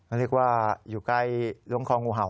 เรียกว่าอยู่ใกล้ล้วงคองูเห่า